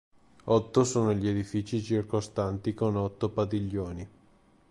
Otto sono gli edifici circostanti con otto padiglioni.